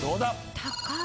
高い！